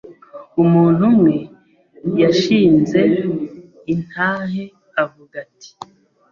Umuntu umwe yashinze intahe avuga ati